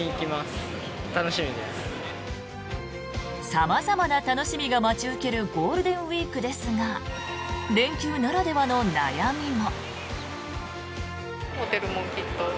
様々な楽しみが待ち受けるゴールデンウィークですが連休ならではの悩みも。